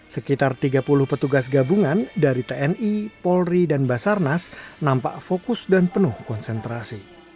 sekitar tiga puluh petugas gabungan dari tni polri dan basarnas nampak fokus dan penuh konsentrasi